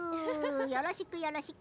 よろしく、よろしく。